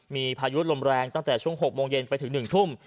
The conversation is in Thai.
มีพายุลมแรงตั้งแต่ช่วง๖โมงเย็นไปถึง๑ทุ่ม